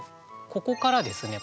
ここからですね